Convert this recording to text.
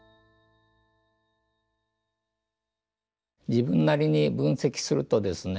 自分なりに分析するとですね